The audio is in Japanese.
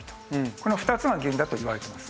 この２つが原因だといわれてます。